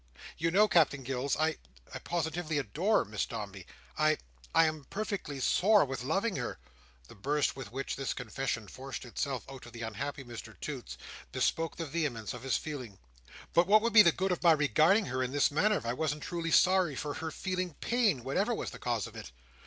You know, Captain Gills, I—I positively adore Miss Dombey;—I—I am perfectly sore with loving her;" the burst with which this confession forced itself out of the unhappy Mr Toots, bespoke the vehemence of his feelings; "but what would be the good of my regarding her in this manner, if I wasn't truly sorry for her feeling pain, whatever was the cause of it.